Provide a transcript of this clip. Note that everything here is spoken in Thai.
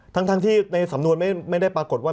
ทั้งที่ในสำนวนไม่ได้ปรากฏว่า